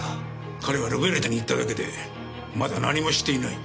彼はルベルタに行っただけでまだ何もしていない。